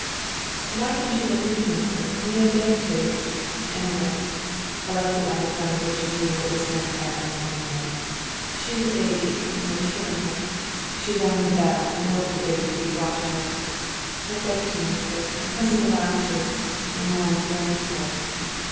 "Why didn't you let me nurse her, when I begged to? Anyway" (Alexey Alexandrovitch knew what was meant by that "anyway"), "she's a baby, and they're killing her." She rang the bell and ordered the baby to be brought her. "I begged to nurse her, I wasn't allowed to, and now I'm blamed for it."